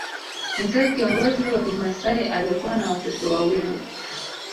Mzee kiongozi wa kimasai alikuwa na watoto wawili